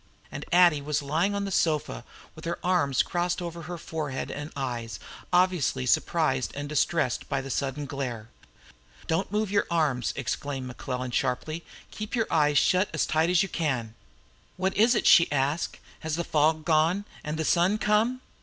And Addie was lying on her sofa with her arms crossed over her forehead and eyes, obviously surprised and distressed by the sudden glare. "Don't move your arms!" exclaimed Mequillen sharply. "Keep your eyes shut as tight as you can." "What is it?" she asked. "Has the fog gone, and the sun come?"